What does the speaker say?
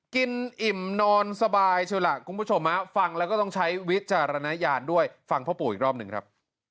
อิ่มนอนสบายเชียวล่ะคุณผู้ชมฟังแล้วก็ต้องใช้วิจารณญาณด้วยฟังพ่อปู่อีกรอบหนึ่งครับ